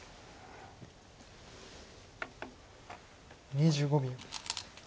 ２５秒。